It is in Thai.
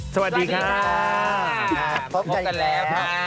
สวัสดีค่ะพบกันแล้ว